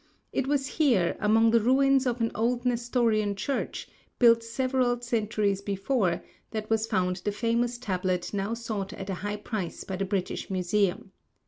It was here, among the ruins of an old Nestorian church, built several centuries before, that was found the famous tablet now sought at a high price by the British Museum.